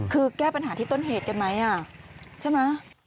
คือแก้ปัญหาที่ต้นเหตุกันไหมใช่ไหม